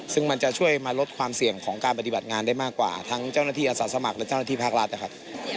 ซึ่งมันจะช่วยมาลดความเสี่ยงของการปฏิบัติงานได้มากกว่าทั้งเจ้าหน้าที่อาสาสมัครและเจ้าหน้าที่ภาครัฐนะครับ